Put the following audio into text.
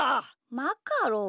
マカロン？